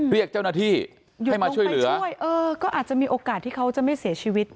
เรียกเจ้าหน้าที่ให้มาช่วยเหลือช่วยเออก็อาจจะมีโอกาสที่เขาจะไม่เสียชีวิต